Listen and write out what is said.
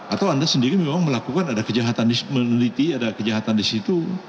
atau anda sendiri memang melakukan ada kejahatan meneliti ada kejahatan di situ